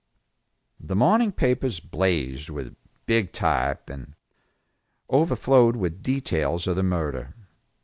The morning papers blazed with big type, and overflowed with details of the murder.